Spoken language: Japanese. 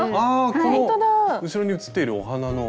あこの後ろに映っているお花の。